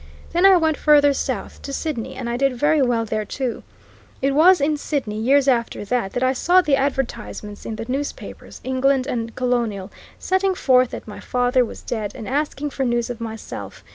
Then I went farther south, to Sydney and I did very well there too. It was in Sydney, years after that, that I saw the advertisements in the newspapers, English and Colonial, setting forth that my father was dead, and asking for news of myself.